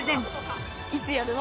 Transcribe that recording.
いつやるの？